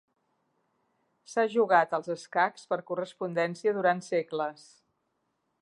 S'ha jugat als escacs per correspondència durant segles.